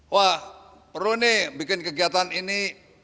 wah perlu nih bikin kegiatan ini